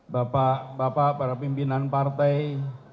bapak bapak para pimpinan partai